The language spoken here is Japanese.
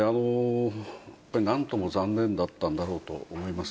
なんとも残念だったんだろうと思います。